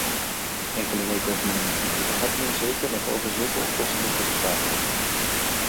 Enkele weken of maanden geleden had men zeker nog over zulke oplossingen kunnen praten.